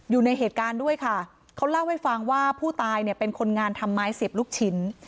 อยู่ในเหตุการณ์ด้วยค่ะเขาเล่าให้ฟังว่าผู้ตายเนี่ยเป็นคนงานทำไม้เสียบลูกชิ้น